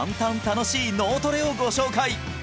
楽しい！脳トレをご紹介！